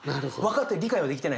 理解はできてないですよ。